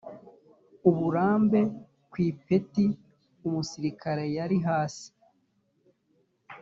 uburambe ku ipeti umusirikare yari hasi